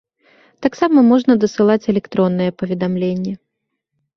Таксама можна дасылаць электронныя паведамленні.